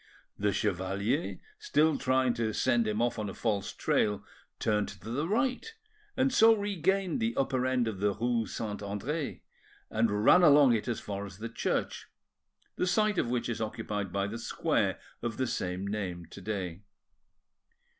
The chevalier, still trying to send him off on a false trail, turned to the right, and so regained the upper end of the rue Saint Andre, and ran along it as far as the church, the site of which is occupied by the square of the same name to day.